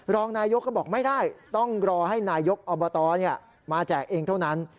รองนายกก็บอกไม่ได้ต้องรอให้นายกอบตมาแจกเองเท่านั้น